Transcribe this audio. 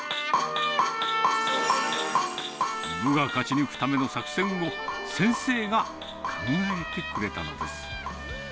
部が勝ち抜くための作戦を、先生が考えてくれたのです。